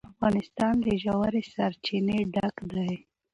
افغانستان له ژورې سرچینې ډک دی.